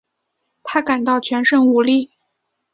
她感到全身无力